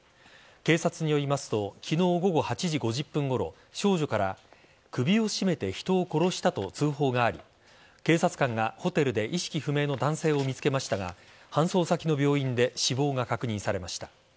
警察によりますと昨日午後８時５０分ごろ少女から、首を絞めて人を殺したと通報があり警察官がホテルで意識不明の男性を見つけましたが搬送先の病院で死亡が確認されました。